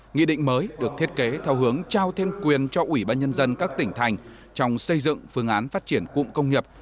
nghị định mới được thiết kế theo hướng trao thêm quyền cho ủy ban nhân dân các tỉnh thành trong xây dựng phương án phát triển cụm công nghiệp